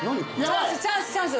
チャンスチャンスチャンス。